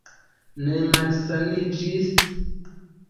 Ne malsaniĝis?